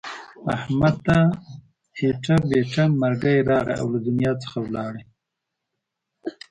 احمد ته ایټه بیټه مرگی راغی او له دنیا څخه ولاړو.